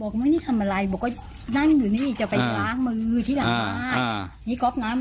บอกว่าเมื่อนี้ทำอะไรบอกว่าดั้งอยู่นี่จะไปล้ากมือที่หลังพลาดอ่า